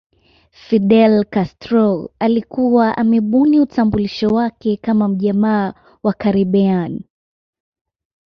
Fidel Castro alikuwa amebuni utambulisho wake kama mjamaa wa Caribbean